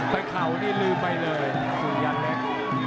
เข่านี่ลืมไปเลยสุยันเล็ก